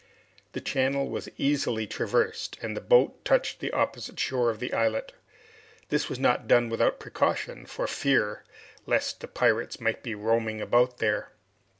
The channel was easily traversed, and the boat touched the opposite shore of the islet. This was not done without precaution, for fear lest the pirates might be roaming about there.